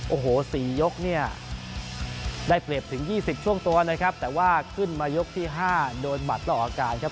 โอ้โห๔ยกเนี่ยได้เปรียบถึง๒๐ช่วงตัวนะครับแต่ว่าขึ้นมายกที่๕โดนหมัดต่ออาการครับ